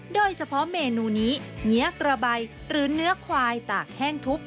โดยเฉพาะเมนูนี้เงี้ยกระใบหรือเนื้อควายตากแห้งทุบ